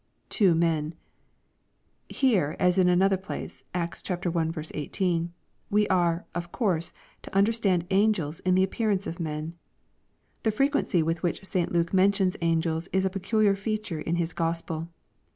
[Ihvo men.] Here, as in another place, (Acts i. 18,) we are, of course, to understand angels in the appearance of men. The fre quency with which St Luke mentions angels is a peculiar feature in his Gospel.